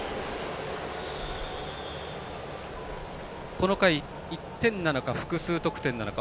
この回１点なのか複数得点なのか。